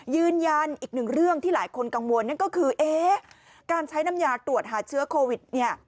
ยืนยันอีกหนึ่งเรื่องที่หลายคนกังวลนั่นก็คือเอ๊ะการใช้น้ำยาตรวจหาเชื้อโควิดเนี่ย